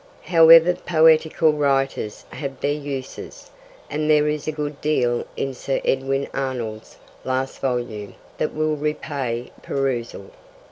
However, poetical writers have their uses, and there is a good deal in Sir Edwin Arnold's last volume that will repay perusal.